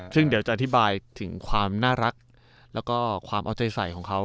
ซึ่งเดี๋ยวจะอธิบายถึงความน่ารักแล้วก็ความเอาใจใส่ของเขา